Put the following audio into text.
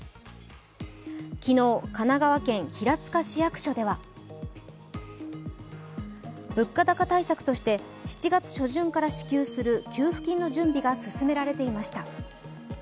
昨日、神奈川県平塚市役所では、物価高対策として７月初旬から支給する給付金の準備が進められていました。